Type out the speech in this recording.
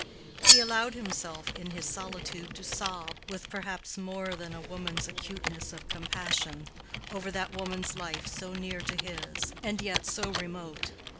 He allowed himself in his solitude to sob, with perhaps more than a woman's acuteness of compassion, over that woman's life so near to his, and yet so remote.